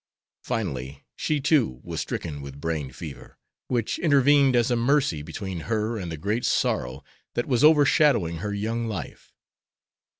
Finally she, too, was stricken with brain fever, which intervened as a mercy between her and the great sorrow that was overshadowing her young life.